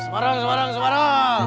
semarang semarang semarang